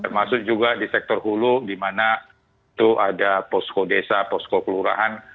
masuk juga di sektor hulu di mana itu ada posko desa posko kelurahan